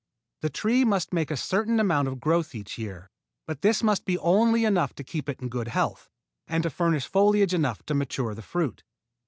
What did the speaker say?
The tree must make a certain amount of growth each year, but this must be only enough to keep it in good health, and to furnish foliage enough to mature the fruit.